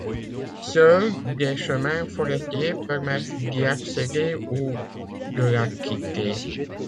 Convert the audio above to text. Seuls des chemins forestiers permettent d’y accéder ou de la quitter.